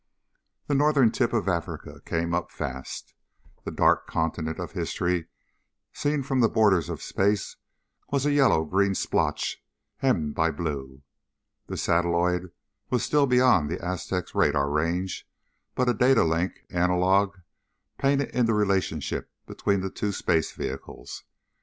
The Northern tip of Africa came up fast. The Dark Continent of history seen from the borders of space was a yellow green splotch hemmed by blue. The satelloid was still beyond the Aztec's radar range but a data link analog painted in the relationship between the two space vehicles.